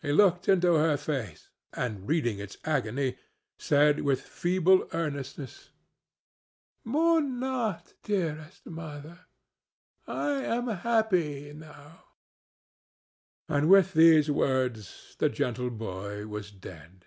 He looked into her face, and, reading its agony, said with feeble earnestness, "Mourn not, dearest mother. I am happy now;" and with these words the gentle boy was dead.